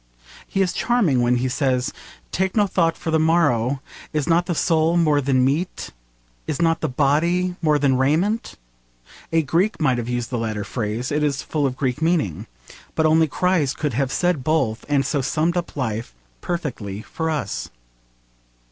He is charming when he says, 'Take no thought for the morrow; is not the soul more than meat? is not the body more than raiment?' A Greek might have used the latter phrase. It is full of Greek feeling. But only Christ could have said both, and so summed up life perfectly for us.